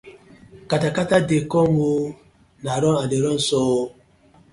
Katakata dey com ooo, na run I dey so ooo.